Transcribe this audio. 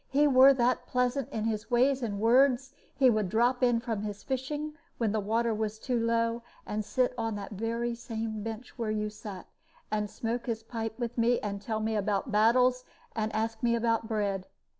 He were that pleasant in his ways and words, he would drop in from his fishing, when the water was too low, and sit on that very same bench where you sat, and smoke his pipe with me, and tell me about battles, and ask me about bread.